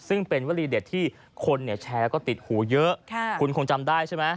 ซึ่งเป็นวลีเด็ดที่คนเนี่ยแชร์ก็ติดหูเยอะคุณคงจำได้ใช่ไหม